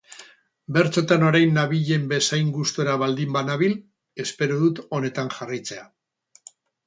Bertsotan orain nabilen bezain gustura baldin banabil, espero dut honetan jarraitzea.